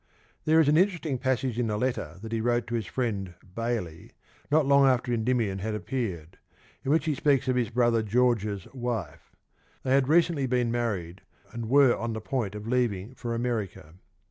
There is an interesting passage in a letter that he wrote to his friend, Bailey, not long after Eiidymion had appeared, Ke; as. in which he speaks of his brother George's wife. They had recently been married, and were on the point of leaving for America.